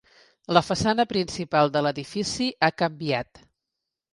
La façana principal de l'edifici ha canviat.